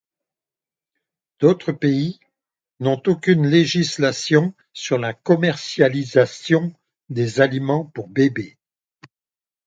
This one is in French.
D'autres pays n'ont aucune législation sur la commercialisation des aliments pour bébés.